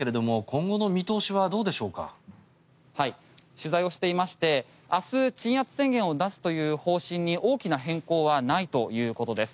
取材をしていまして明日鎮圧宣言を出すという方針に大きな変更はないという事です。